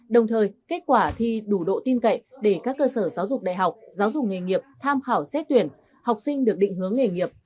đồng thời kết quả thi đủ độ tin cậy để các cơ sở giáo dục đại học giáo dục nghề nghiệp tham khảo xét tuyển học sinh được định hướng nghề nghiệp